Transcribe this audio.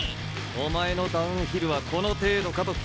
お前のダウンヒルはこの程度かと聞いたんだ鳴子。